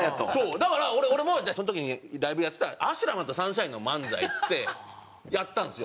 だから俺もその時にライブでやってたアシュラマンとサンシャインの漫才っつってやったんですよ。